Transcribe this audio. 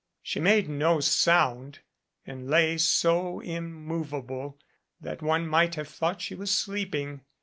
She made no sound and lay so immovable that one might have thought she was sleeping.